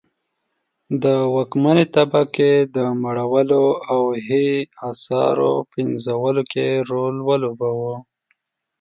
د واکمنې طبقې د مړولو او هي اثارو پنځولو کې رول ولوباوه.